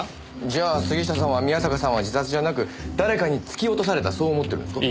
じゃあ杉下さんは宮坂さんは自殺じゃなく誰かに突き落とされたそう思ってるんですか？